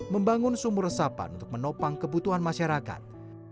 membangun sumur resapan untuk menopang kebutuhan masyarakat